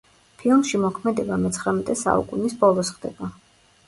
ფილმში მოქმედება მეცხრამეტე საუკუნის ბოლოს ხდება.